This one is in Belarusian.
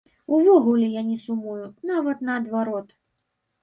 Увогуле я не сумую, нават наадварот.